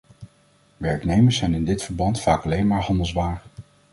Werknemers zijn in dit verband vaak alleen maar handelswaar.